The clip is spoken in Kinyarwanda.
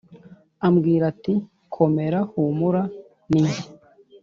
Ambwira ati: Komera, Humura “Ninjye”